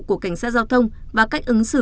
của cảnh sát giao thông và cách ứng xử